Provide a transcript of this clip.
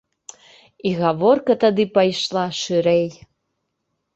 І гаворка тады пайшла шырэй.